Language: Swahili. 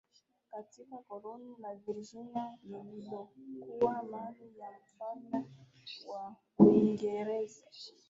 katika koloni la Virginia lililokuwa mali ya mfalme wa Uingereza